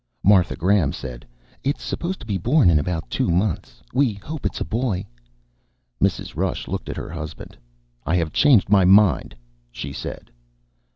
Martha Graham said, "It's supposed to be born in about two months. We hope it's a boy." Mrs. Rush looked at her husband. "I have changed my mind," she said.